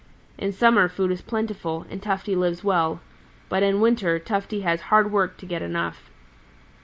In summer food is plentiful, and Tufty lives well, but in winder Tufty has hard work to get enough.